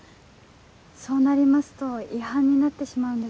そうなりますと違反になってしまうんです。